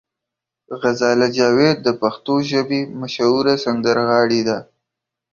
غزاله جاوید د پښتو ژبې مشهوره سندرغاړې ده.